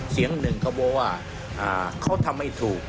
เสียงหนึ่งเขาบอกว่าเขาทำไม่ถูก